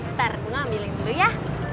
ntar bunga ambilin dulu ya